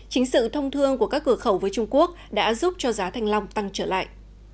chính sự thông thương của các cửa khẩu với trung quốc đã giúp cho giá thanh long tăng trở lại